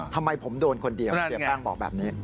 ทำไมผมโดนคนเดียวเสียแป้งบอกแบบนี้